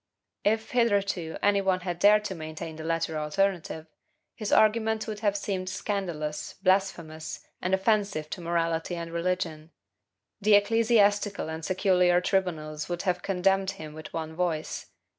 If, hitherto, any one had dared to maintain the latter alternative, his arguments would have seemed scandalous, blasphemous, and offensive to morality and religion. The ecclesiastical and secular tribunals would have condemned him with one voice.